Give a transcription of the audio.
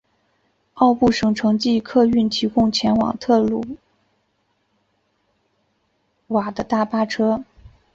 奥布省城际客运提供前往特鲁瓦的大巴车。